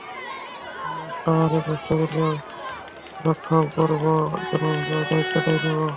আমার রাষ্ট্র আমাকে কষ্ট দিলেও, একে রক্ষাও করব, জনমুখী করার দায়িত্বটাই নেব।